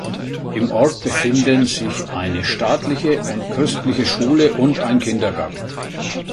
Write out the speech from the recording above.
Im Ort befinden sich eine staatliche und christliche Schule und ein Kindergarten.